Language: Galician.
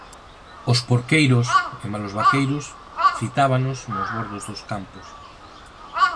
Os porqueiros e mailos vaqueiros fitábanos nos bordos dos campos.